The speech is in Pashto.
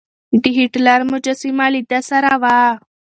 د هېټلر مجسمه له ده سره وه.